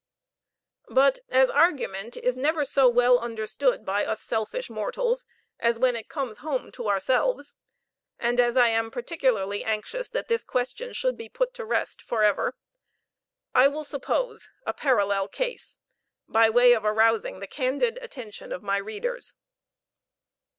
But as argument is never so well understood by us selfish mortals as when it comes home to ourselves, and as I am particularly anxious that this question should be put to rest for ever, I will suppose a parallel case, by way of arousing the candid attention of my readers.